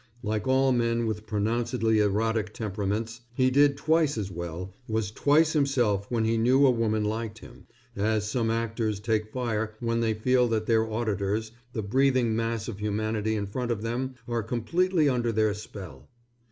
Like all men with pronouncedly erotic temperaments, he did twice as well, was twice himself when he knew a woman liked him, as some actors take fire when they feel that their auditors, the breathing mass of humanity in front of them, are completely under their spell.